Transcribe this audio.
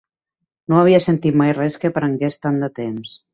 No havia sentit mai res que prengués tant de temps.